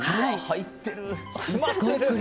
入ってる！